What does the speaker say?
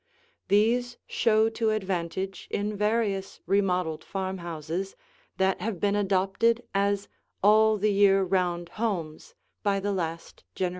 These show to advantage in various remodeled farmhouses that have been adopted as all the year round homes by the last generation.